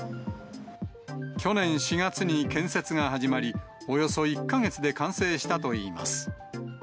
去年４月に建設が始まり、およそ１か月で完成したといいます。